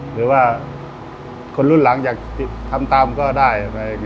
หรือว่าคนรุ่นหลังทามก็ได้